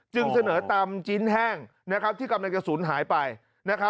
จึงเสนอตำจิ้นแห้งที่กำลังจะสูญหายไป